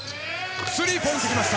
スリーポイント、きました。